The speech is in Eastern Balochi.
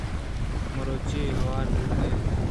مرچی ھور بیت